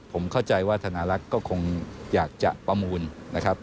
ผมเข้าใจว่าธนารักษ์ก็คงอยากจะประมูลนะครับ